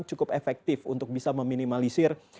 cukup efektif untuk bisa meminimalisir